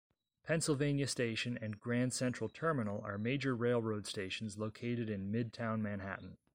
Pennsylvania Station and Grand Central Terminal are major railroad stations located in Midtown Manhattan.